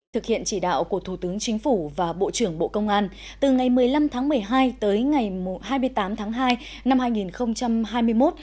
thực hiện chỉ đạo của thủ tướng chính phủ và bộ trưởng bộ công an từ ngày một mươi năm tháng một mươi hai tới ngày hai mươi tám tháng hai năm hai nghìn hai mươi một